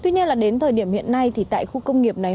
tuy nhiên là đến thời điểm hiện nay thì tại khu công nghiệp này